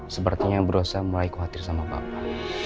sepertinya berusaha mulai khawatir sama bapak